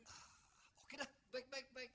oke dah baik baik baik